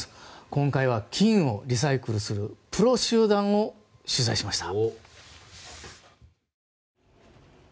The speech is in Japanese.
今回は金をリサイクルするプロ集団を取材しました。